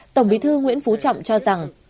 tổng bí thư nguyễn phú trọng cho rằng